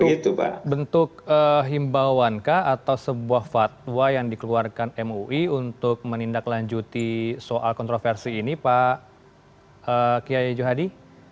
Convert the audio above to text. itu bentuk himbauan kah atau sebuah fatwa yang dikeluarkan mui untuk menindaklanjuti soal kontroversi ini pak kiai johadi